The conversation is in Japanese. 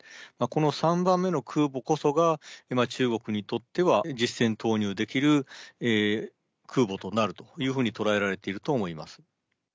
この３番目の空母こそが、中国にとっては、実戦投入できる空母となるというふうに捉えられていると思います。